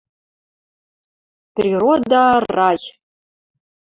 — Природа — рай!